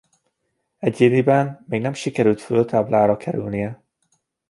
Egyéniben még nem sikerült a főtáblára kerülnie.